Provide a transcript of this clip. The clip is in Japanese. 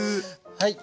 はい！